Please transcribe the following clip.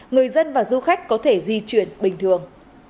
người dân và du khách có thể di chuyển bình thường